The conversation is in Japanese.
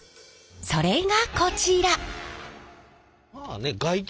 それがこちら！